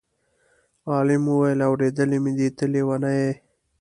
عالم وویل: اورېدلی مې دی ته لېونی یې.